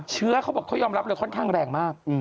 เขาบอกเขายอมรับเลยค่อนข้างแรงมาก